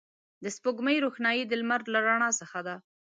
د سپوږمۍ روښنایي د لمر له رڼا څخه ده